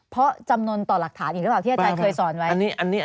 เพราะจำนวนต่อหลักฐานอีกหรือเปล่าที่อาจารย์เคยสอนไว้